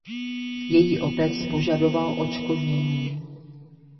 Její otec požadoval odškodnění.